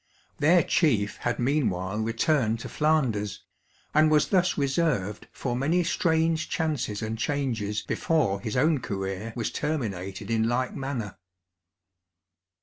Their chief had meanwhile returned to Flanders, and was thus reserved for many strange chances and changes before his own career was terminated in like manner.